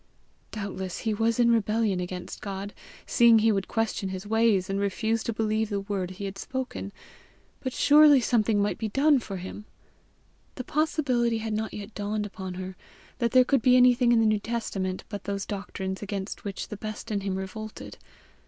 Doubtless he was in rebellion against God, seeing he would question his ways, and refuse to believe the word he had spoken, but surely something might be done for him! The possibility had not yet dawned upon her that there could be anything in the New Testament but those doctrines against which the best in him revolted.